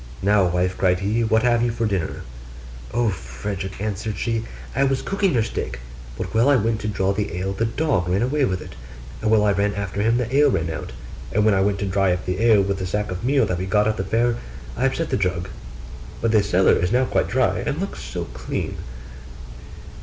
'Now, wife,' cried he, 'what have you for dinner?' 'O Frederick!' answered she, 'I was cooking you a steak; but while I went down to draw the ale, the dog ran away with it; and while I ran after him, the ale ran out; and when I went to dry up the ale with the sack of meal that we got at the fair, I upset the jug: but the cellar is now quite dry, and looks so clean!